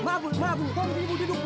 mabu mabu tolong ini ibu duduk